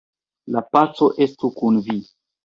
La paco estu kun vi!